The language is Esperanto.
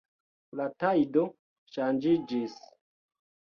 La tajdo ŝanĝiĝis.